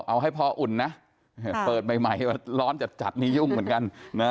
เอาให้พออุ่นนะเปิดใหม่ร้อนจัดนี่ยุ่งเหมือนกัน